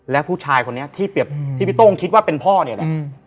และผู้ชายคนนี้ที่เปรียบที่พี่โต้งคิดว่าเป็นพ่อเนี่ยแหละ